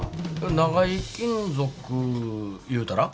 長井金属いうたら。